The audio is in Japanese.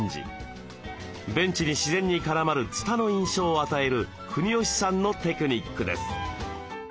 ベンチに自然に絡まるつたの印象を与える国吉さんのテクニックです。